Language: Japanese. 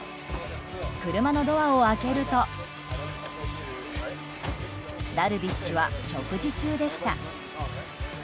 車のドアを開けるとダルビッシュは食事中でした。